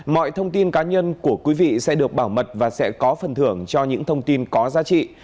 mọi thông tin cá nhân của quý vị sẽ được bảo mật và sẽ có phần thưởng cho những thông tin có giá trị